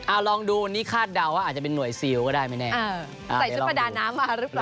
อ้าวลองดูนี่คาดเดาอาจจะเป็นหน่วยซีลก็ได้หรือไม่แน่